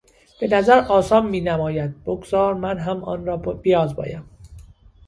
به نظر آسان مینماید بگذار من هم آن را بیازمایم.